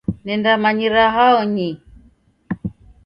Nendamanyira hao nyii!